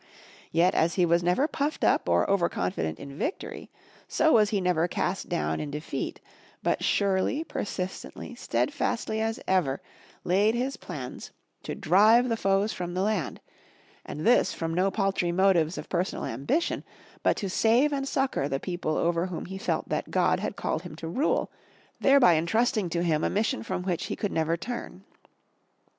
Yet as he was never puffed up or over confident in victory, so was he never cast down in defeat, but surely, persistently, steadfastly as ever, laid his plans to drive 83 M Y BOOK HOUSE the foes from the land; and this from no paltry motives of per sonal ambition, but to save and succor the people over whom he felt that God had called him to rule, thereby entrusting to him a mission from which he could never turn.